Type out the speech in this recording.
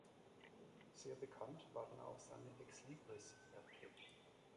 Sehr bekannt waren auch seine Exlibris-Werke.